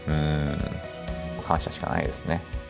感謝しかないですね。